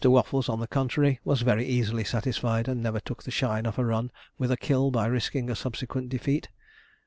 Waffles, on the contrary, was very easily satisfied, and never took the shine off a run with a kill by risking a subsequent defeat.